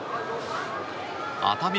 熱海